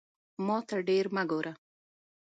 ماته ډیر مه ګوره